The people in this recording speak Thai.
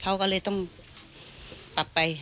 เขาก็เลยต้องปรับไป